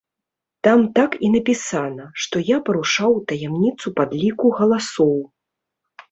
Там так і напісана, што я парушаў таямніцу падліку галасоў.